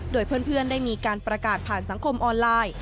โดยเพื่อนได้มีการประกาศผ่านสังคมออนไลน์